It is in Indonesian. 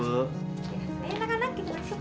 eh enak enak kita masuk